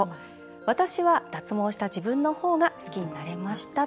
私は脱毛した自分のほうが好きになりましたと。